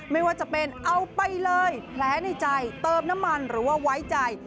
ไม่ว่าจะเป็นเอาไปเลยแผลในใจเติมน้ำมันหรือว่าไว้ใจ